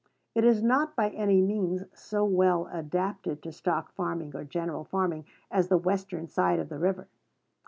It is not by any means so well adapted to stock farming or general farming as the western side of the river.